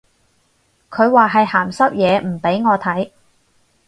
佢話係鹹濕嘢唔俾我睇